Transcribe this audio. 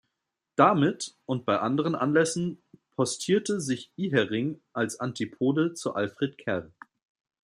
Damit und bei anderen Anlässen postierte sich Ihering als Antipode zu Alfred Kerr.